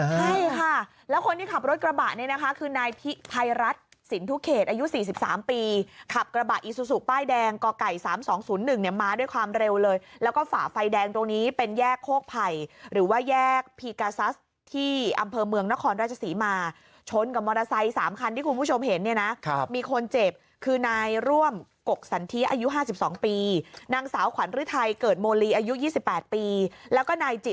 โอเคค่ะแล้วคนที่ขับรถกระบะเนี่ยนะคะคือนายพี่ภัยรัฐสินทุเขตอายุ๔๓ปีขับกระบะอีซูซูป้ายแดงก่อกไก่๓๒๐๑เนี่ยมาด้วยความเร็วเลยแล้วก็ฝ่าไฟแดงตรงนี้เป็นแยกโคกภัยหรือว่าแยกพีกาซัสที่อำเภอเมืองนครราชสีมาชนกับมอเตอร์ไซค์๓คันที่คุณผู้ชมเห็นเนี่ยนะครับมีคนเจ็บคือนายร่ว